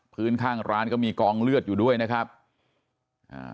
ข้างร้านก็มีกองเลือดอยู่ด้วยนะครับอ่า